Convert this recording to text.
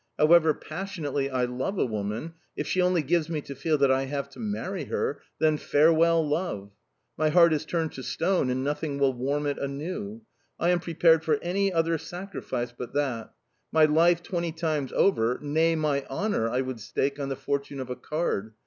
However passionately I love a woman, if she only gives me to feel that I have to marry her then farewell, love! My heart is turned to stone, and nothing will warm it anew. I am prepared for any other sacrifice but that; my life twenty times over, nay, my honour I would stake on the fortune of a card...